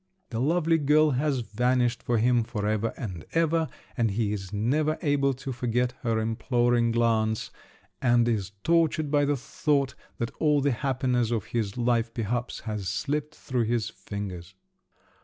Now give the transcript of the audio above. The lovely girl has vanished for him for ever and ever, and he is never able to forget her imploring glance, and is tortured by the thought that all the happiness of his life, perhaps, has slipped through his fingers.